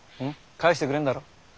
帰してくれんだろ？